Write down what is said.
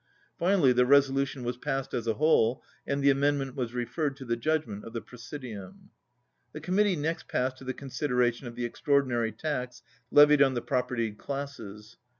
Finally the resolution was passed as a whole and the amendment was referred to the judgment of the prsesidium. The Committee next passed to the consideration of the Extraordinary Tax levied on the propertied classes.